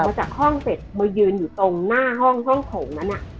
พอจากห้องเสร็จมายืนอยู่ตรงหน้าห้องห้องโถงนั้น